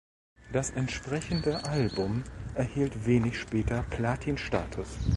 Das entsprechende Album erhielt wenig später Platin Status.